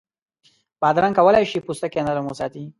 بادرنګ کولای شي پوستکی نرم وساتي.